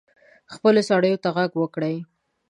خپلو سړیو ته ږغ وکړي.